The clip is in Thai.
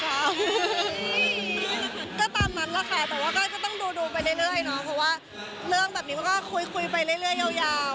เพราะว่าเรื่องแบบนี้มันก็คุยไปเรื่อยยาว